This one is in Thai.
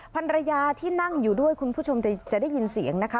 ภรรยาที่นั่งอยู่ด้วยคุณผู้ชมจะได้ยินเสียงนะคะ